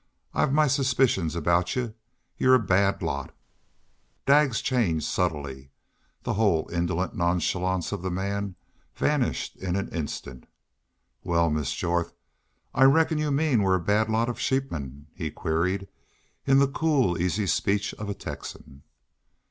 I've my suspicions about y'u. Y'u're a bad lot." Daggs changed subtly. The whole indolent nonchalance of the man vanished in an instant. "Wal, Miss Jorth, I reckon you mean we're a bad lot of sheepmen?" he queried, in the cool, easy speech of a Texan.